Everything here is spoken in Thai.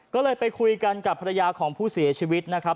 ก็เลยไปคุยกันกับภรรยาของผู้เสียชีวิตนะครับ